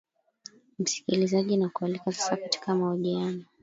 m msikilizaji nakualika sasa katika mahojiano